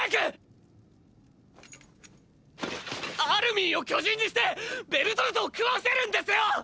アルミンを巨人にしてベルトルトを食わせるんですよ！！